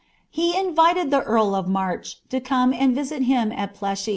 "He invited the eari of March' to come and visit him ai Pteshf.